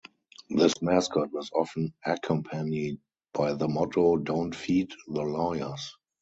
This mascot was often accompanied by the motto Don't feed the lawyers.